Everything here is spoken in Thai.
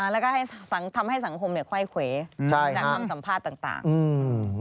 แล้วก็ทำให้สังคมค่อยเขวจังหวังสัมภาษณ์ต่าง